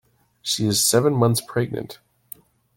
She is seven months pregnant.